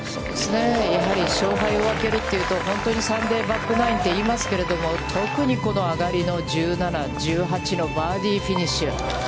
やはり勝敗を分けるというと、本当にサンデーバックナインと言いますけれども、特にこの上がりの１７、１８のバーディーフィニッシュ。